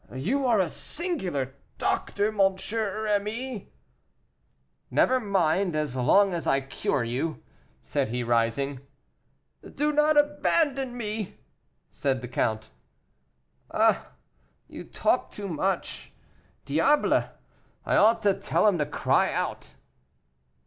"You are a singular doctor, M. Rémy." "Never mind, as long as I cure you," said he, rising. "Do not abandon me," said the count. "Ah! you talk too much. Diable! I ought to tell him to cry out."